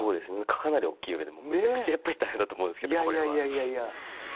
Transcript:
かなり大きい夢で、めちゃくちゃ大変だと思うんですけど。